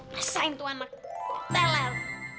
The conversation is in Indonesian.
masain tuh anakku telar